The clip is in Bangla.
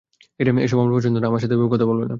এসব আমার পছন্দ না, - আমার সাথে এভাবে কথা বলবেনা।